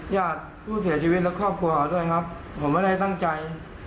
ญาติผู้เสียชีวิตและครอบครัวด้วยครับผมไม่ได้ตั้งใจ